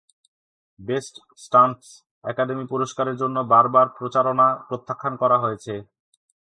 "Best stunts" academy পুরস্কারের জন্য বারবার প্রচারণা প্রত্যাখ্যান করা হয়েছে।